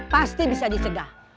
pasti bisa dicegah